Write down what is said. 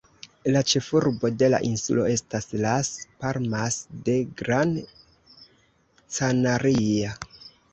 La ĉefurbo de la insulo estas Las Palmas de Gran Canaria.